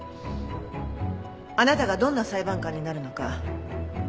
あなたがどんな裁判官になるのか楽しみね。